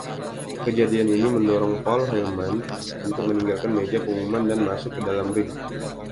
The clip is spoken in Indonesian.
Kejadian ini mendorong Paul Heyman untuk meninggalkan meja pengumuman dan masuk ke dalam ring.